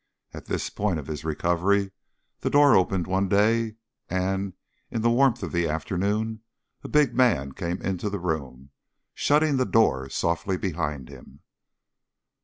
At this point of his recovery the door opened one day, and, in the warmth of the afternoon, a big man came into the room, shutting the door softly behind him.